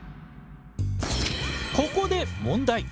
ここで問題。